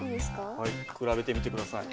はい比べてみて下さい。